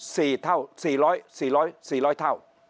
สี่เท่าสี่ร้อยสี่ร้อยสี่ร้อยเท่า